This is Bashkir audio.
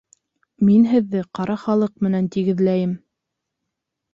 Мин һеҙҙе ҡара халыҡ менән тигеҙләйем!